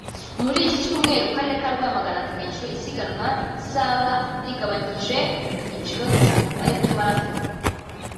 Kuri iki cyumweru mu karere ka Rwamagana hateganyijwe isiganwa rizaba rigabanyije mu byiciro bitatu ari byo Marathon